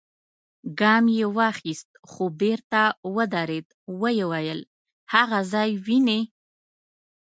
ګام يې واخيست، خو بېرته ودرېد، ويې ويل: هاغه ځای وينې؟